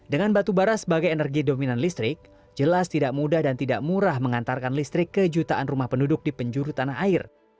dengan batubara sebagai energi dominan listrik jelas tidak mudah dan tidak murah mengantarkan listrik ke jutaan rumah penduduk di penjuru tanah air